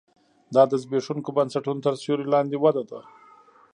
دا د زبېښونکو بنسټونو تر سیوري لاندې وده ده